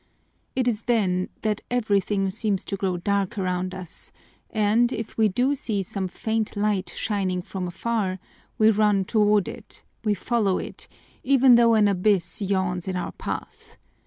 It is then that everything seems to grow dark around us, and, if we do see some faint light shining from afar, we run toward it, we follow it, even though an abyss yawns in our path.